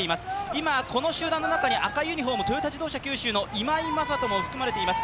今、この集団の中に赤いユニフォーム、トヨタ自動車九州の今井正人も含まれています